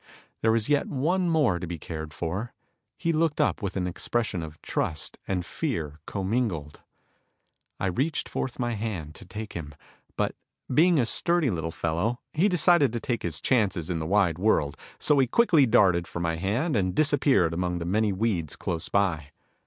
There was yet one more to be cared for. He looked up with an expression of trust and fear commingled. I reached forth my hand to take him, but, being a sturdy little fellow he decided to take his chances in the wide world, so he quickly darted from my hand and disappeared among the many weeds close by.